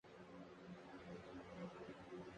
Mae wamneka igoro jibaha.